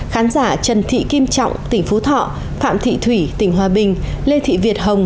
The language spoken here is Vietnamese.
khán giả trần thị kim trọng tỉnh phú thọ phạm thị thủy tỉnh hòa bình lê thị việt hồng